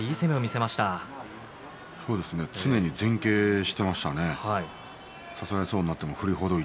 常に前傾してましたね。